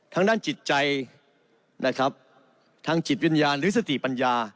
ทางด้านจิตใจนะครับทางจิตวิญญาณหรือสติปัญญา